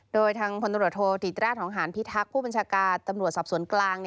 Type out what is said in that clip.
โดยทางพลตำรวจโทษิราชหองหานพิทักษ์ผู้บัญชาการตำรวจสอบสวนกลาง